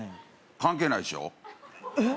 関係ないでしょえっ？